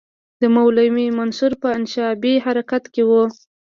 د مولوي منصور په انشعابي حرکت کې وو.